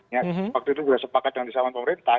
yang waktu itu sudah sepakat dengan disahkan pemerintah